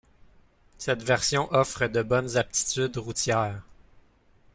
Cette version offre de bonnes aptitudes routières.